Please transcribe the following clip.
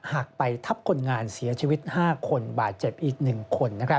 หักไปทับคนงานเสียชีวิต๕คนบาดเจ็บอีก๑คน